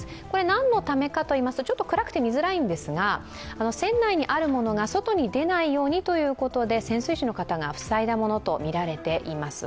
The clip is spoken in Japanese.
何のためかといいますと暗くて見づらいんですが船内にあるものが外に出ないようにということで潜水士の方が塞いだものとみられています。